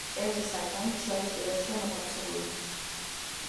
ერთი სარკმელი ჩრდილოეთ კედელშია მოთავსებული.